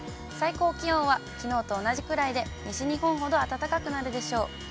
最高気温はきのうと同じくらいで、西日本ほど暖かくなるでしょう。